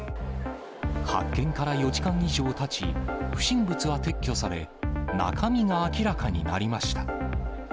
発見から４時間以上たち、不審物は撤去され、中身が明らかになりました。